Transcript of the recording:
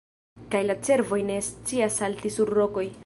Kaj la cervoj ne scias salti sur rokoj.